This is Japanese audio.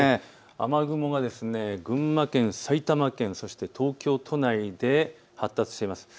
雨雲が群馬県、埼玉県、そして東京都内で発達しています。